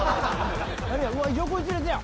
横一列や。